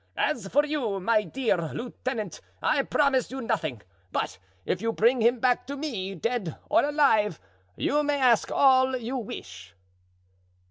As for you, my dear lieutenant, I promise you nothing; but if you bring him back to me, dead or alive, you may ask all you wish."